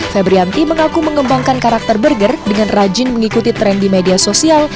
febrianti mengaku mengembangkan karakter burger dengan rajin mengikuti tren di media sosial